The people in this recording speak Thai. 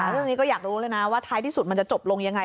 เรื่องนี้ก็อยากรู้เลยนะว่าท้ายที่สุดมันจะจบลงยังไง